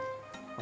masih banyak cek